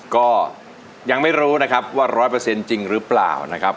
ก็ยังไม่รู้นะครับว่าร้อยเปอร์เซ็นต์จริงหรือเปล่านะครับ